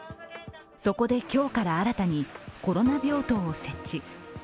そこで今日から新たにコロナ病棟を設置。